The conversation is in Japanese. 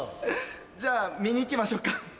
じゃあ見に行きましょうか。